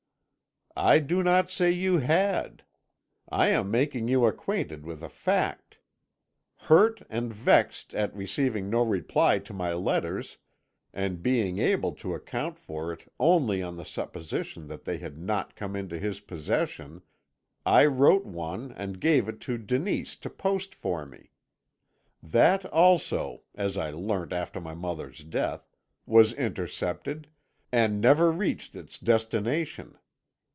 "I do not say you had; I am making you acquainted with a fact. Hurt and vexed at receiving no reply to my letters, and being able to account for it only on the supposition that they had not come into his possession, I wrote one and gave it to Denise to post for me. That also, as I learnt after my mother's death, was intercepted, and never reached its destination.